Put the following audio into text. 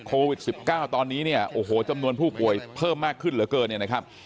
โควิด๑๙ตอนนี้เนี่ยโอ้โหจำนวนผู้ป่วยเพิ่มมากขึ้นเหลือเกินเนี่ยนะครับ